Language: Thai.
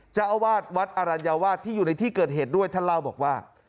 เจ้าอาวาสวัดอรัญวาสที่อยู่ในที่เกิดเหตุด้วยท่านเล่าบอกว่า